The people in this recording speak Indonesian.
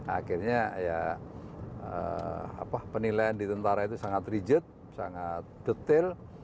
akhirnya ya penilaian di tentara itu sangat rigid sangat detail